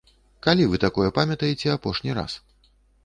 Калі вы такое памятаеце апошні раз?